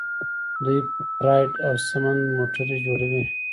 دوی پراید او سمند موټرې جوړوي.